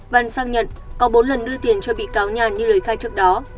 văn sang nhận có bốn lần đưa tiền cho bị cáo nhàn như lời khai trước đó